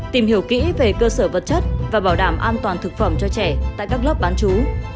tìm hiểu kỹ về cơ sở vật chất và bảo đảm an toàn thực phẩm cho trẻ tại các lớp bán chú